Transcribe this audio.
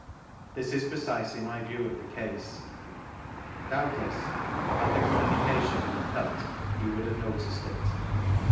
This is precisely my view of the case; doubdess, had the communication been cut, he would have noticed it.